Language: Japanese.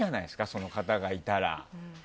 その方がいたら。